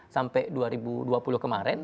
sampai dua ribu dua puluh kemarin